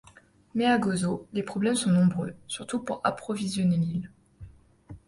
Mais à Gozo, les problèmes sont nombreux, surtout pour approvisionner l'île.